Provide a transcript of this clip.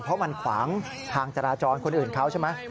เพราะมันขวางทางจราจรคนอื่นเขาใช่ไหม